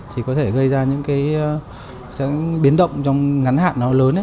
thì có thể gây ra những cái biến động trong ngắn hạn nó lớn